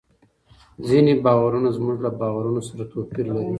ځینې باورونه زموږ له باورونو سره توپیر لري.